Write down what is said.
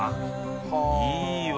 いいわ。